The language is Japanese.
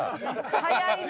早いな。